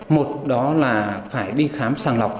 một đó là phải đi khám sàng lọc